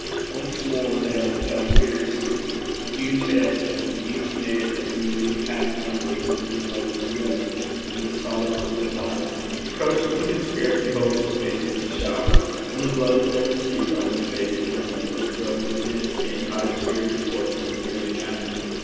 Once more the hail fell furiously huge hailstones, each made of many, half melted and welded together into solid lumps of ice. The coachman could scarcely hold his face to the shower, and the blows they received on their faces and legs, drove the thin skinned, high spirited horses nearly mad.